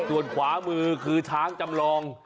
ส่วนขวามือคือช้างจำลอง